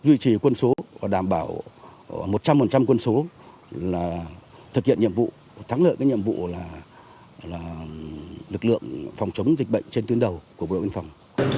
duy trì quân số và đảm bảo một trăm linh quân số là thực hiện nhiệm vụ thắng lợi cái nhiệm vụ là lực lượng phòng chống dịch bệnh trên tuyến đầu của bộ đội biên phòng